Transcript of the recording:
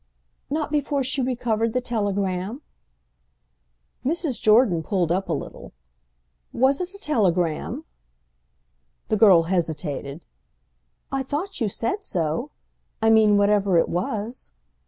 "Not before she recovered the telegram?" Mrs. Jordan was pulled up a little. "Was it a telegram?" The girl hesitated. "I thought you said so. I mean whatever it was."